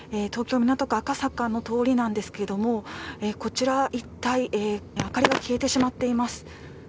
東京・港区赤坂の通りなんですけれどもこちら一帯明かりが消えてしまっています。